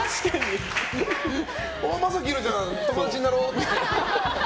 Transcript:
まさきいるじゃん友達になろうって。